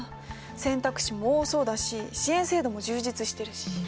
選択肢も多そうだし支援制度も充実してるし。